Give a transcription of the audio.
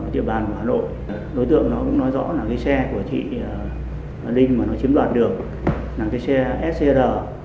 địa bàn của hà nội đối tượng nó cũng nói rõ là cái xe của chị linh mà nó chiếm đoạt được là cái xe scr